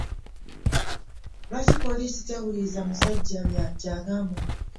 Lwaki poliisi tewuliriza musajja ky'abagamba?